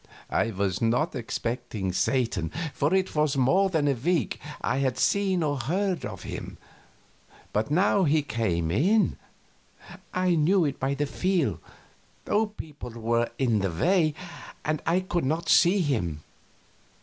I was not expecting Satan, for it was more than a week since I had seen or heard of him, but now he came in I knew it by the feel, though people were in the way and I could not see him.